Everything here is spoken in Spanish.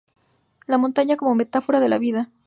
La montaña como metáfora de la vida.